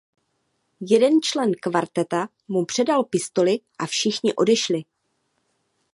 Jeden člen kvarteta mu předal pistoli a všichni odešli.